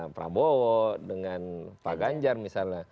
prabowo dengan pak ganjar misalnya